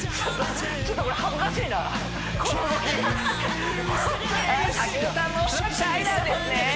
ちょっとこれ恥ずかしいなこの動きえ